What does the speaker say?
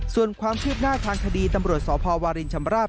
ส่วนความคืบหน้าทางคดีตำรวจสพวารินชำราบ